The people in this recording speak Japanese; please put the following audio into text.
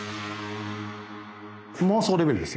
妄想レベルですよ